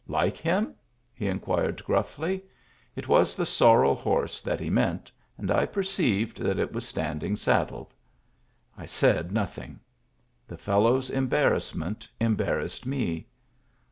"Like him?" he inquired grufHy. It was the sorrel horse that he meant, and I perceived that it was standing saddled. I said nothing. The fellow's embarrassment embarrassed me.